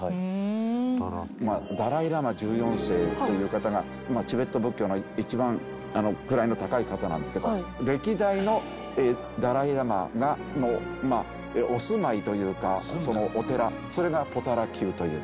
ダライ・ラマ１４世という方がチベット仏教の一番位の高い方なんですけど歴代のダライ・ラマのお住まいというかお寺それがポタラ宮という。